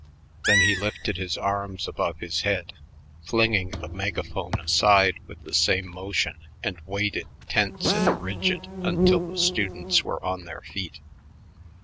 Then he lifted his arms above his head, flinging the megaphone aside with the same motion, and waited tense and rigid until the students were on their feet.